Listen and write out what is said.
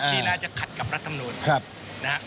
ที่น่าจะขัดกับรัฐธรรมนุษย์